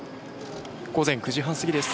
午前９時半過ぎです。